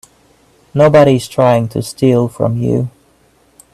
Nobody's trying to steal from you.